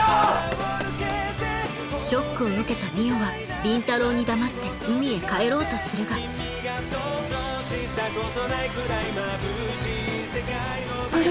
ショックを受けた海音は倫太郎に黙って海へ帰ろうとするがあれ？